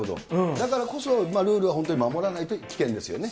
だからこそ、ルールは本当に守らないと危険ですよね。